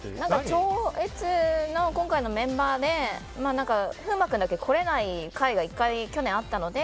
「超越」の今回のメンバーで風磨君だけ来れない回が１回だけ去年あったので。